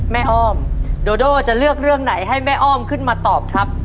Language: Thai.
อ้อมโดโดจะเลือกเรื่องไหนให้แม่อ้อมขึ้นมาตอบครับ